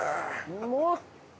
うまっ！